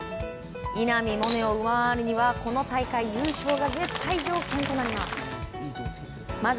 稲見萌寧を上回るには、この大会優勝が絶対条件となります。